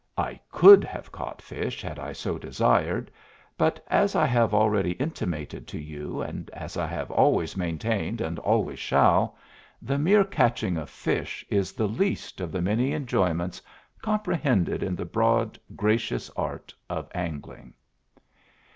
I COULD have caught fish had I so desired, but, as I have already intimated to you and as I have always maintained and always shall, the mere catching of fish is the least of the many enjoyments comprehended in the broad, gracious art of angling.